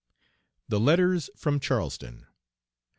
'" THE LETTERS FROM CHARLESTON.